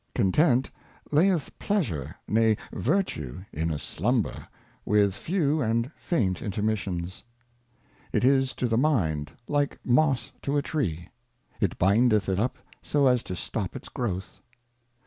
CONTENT layeth Pleasure, nay Virtue, in a Slumber, with few and faint Intermissions. It is to the Mind, like Moss to a Tree, it bindeth it up so as to stop its Growth.